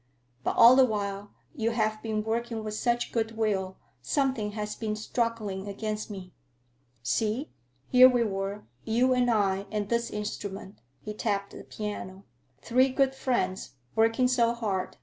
But all the while you have been working with such good will, something has been struggling against me. See, here we were, you and I and this instrument,"—he tapped the piano,—"three good friends, working so hard.